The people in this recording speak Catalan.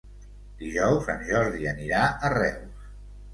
Dijous en Jordi anirà a Reus.